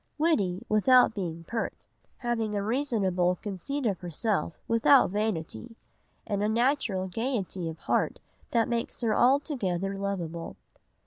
Witty without being pert, having a reasonable conceit of herself without vanity, and a natural gaiety of heart that makes her altogether lovable.